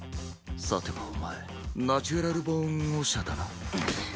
さてはお前ナチュラル・ボーン・オシャだな？